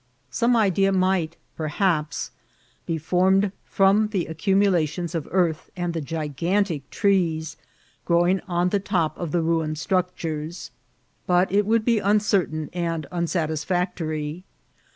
Some idea might per haps be formed firom the accumulations of earth and the gigantic trees growing on the top of the ruined struc tures, but it would be uncertain and unsatisfactory.